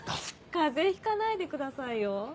風邪ひかないでくださいよ。